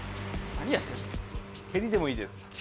蹴りでもいいです。